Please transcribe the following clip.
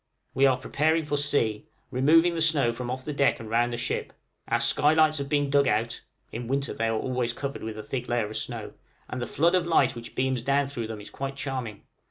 We are preparing for sea, removing the snow from off the deck and round the ship; our sky lights have been dug out (in winter they are always covered with a thick layer of snow), and the flood of light which beams down through them is quite charming.